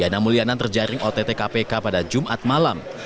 dan terjaring ott kpk pada jumat malam